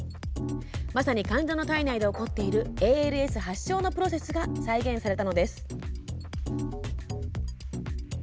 まさに患者の体内で起こっているＡＬＳ発症のプロセスが再現されたのです。